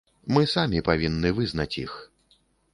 Мы самі павінны вызнаць іх.